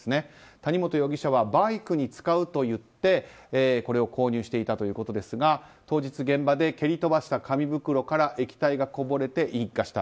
谷本容疑者はバイクに使うと言ってこれを購入していたということですが当日、現場で蹴り飛ばした袋から液体がこぼれて引火した。